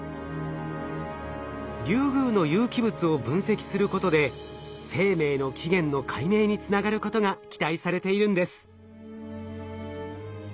リュウグウの有機物を分析することで生命の起源の解明につながることが期待されているんです。